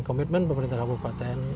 komitmen pemerintah kabupaten